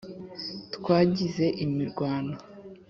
twagize imirwano,